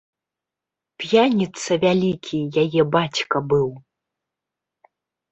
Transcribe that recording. П'яніца вялікі яе бацька быў.